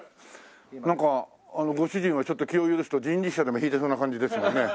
なんかご主人はちょっと気を許すと人力車でも引いてそうな感じですよね。